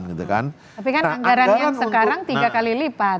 tapi kan anggarannya sekarang tiga kali lipat